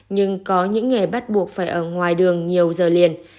nhưng có những nghề bắt buộc phải ở ngoài đường nhiều giờ liền